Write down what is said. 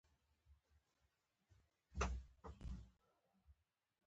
خاټول یو ښایسته ګل دی